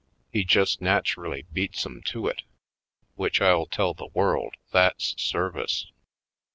He just naturally beats 'em to it; which I'll tell the world that's service.